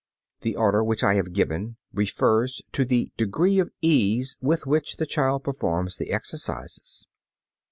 The order which I have given refers to the degree of ease with which the child performs the exercises.